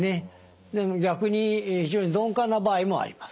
でも逆に非常に鈍感な場合もあります。